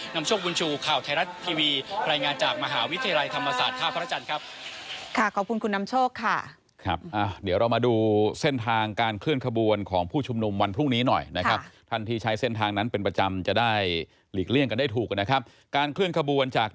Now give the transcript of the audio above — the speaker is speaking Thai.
นำโชคบุญชูข่าวไทยรัฐทีวีรายงานจากมหาวิทยาลัยธรรมศาสตร์ท่าพระจันทร์ครับ